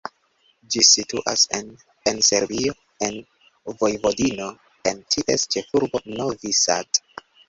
Ĝi situas en en Serbio, en Vojvodino, en ties ĉefurbo Novi Sad.